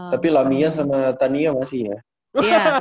tapi lamia sama tania masih ya